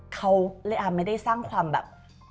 เขาเลยอาจไม่ได้สร้างความแบบ